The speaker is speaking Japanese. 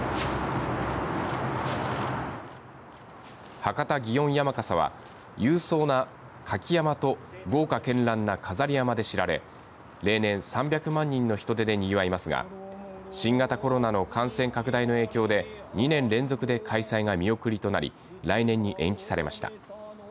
博多祇園山笠は勇壮な舁き山笠と豪華絢爛な飾り山笠で知られ例年３００万人の人出でにぎわいますが新型コロナの感染拡大の影響で２年連続で開催が見送りとなり来年に延期されました。